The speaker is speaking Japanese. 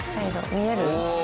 見える？